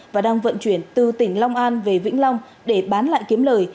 và đang vận chuyển từ tỉnh long an về vĩnh long để bán lại kiếm lời